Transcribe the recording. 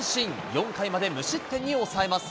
４回まで無失点に抑えます。